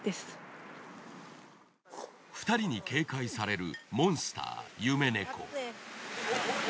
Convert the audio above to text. ２人に警戒されるモンスター夢猫。